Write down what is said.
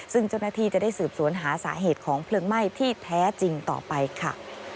ซึ่งเจ้าหน้าที่จะได้สืบสวนหาสาเหตุของเพลิงไหม้ที่แท้จริงต่อไปค่ะ